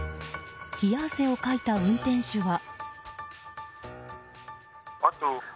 冷や汗をかいた運転手は。